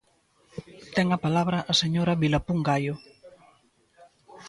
Ten a palabra a señora Vilapún Gaio.